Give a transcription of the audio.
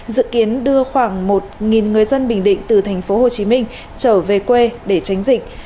dự kiến đưa khoảng một người dân bình định từ tp hcm trở về quê để tránh dịch